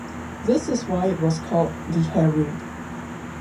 This is why it was called the 'hair rig'.